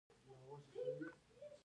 کوچیان د افغان کلتور سره تړاو لري.